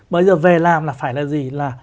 bây giờ về làm là phải là gì